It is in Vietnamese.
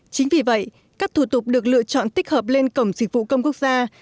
chính vì vậy các thủ tục được lựa chọn tích hợp lên cổng dịch vụ công quốc gia